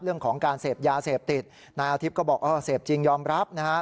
เรื่องของการเสพยาเสพติดนายอาทิตย์ก็บอกเออเสพจริงยอมรับนะฮะ